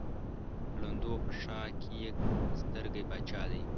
د ړندو په ښآر کې يک سترگى باچا دى.